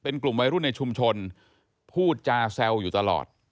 เป็นกลุ่มวัยรุ่นในชุมชนพูดจาแซวอยู่ตลอด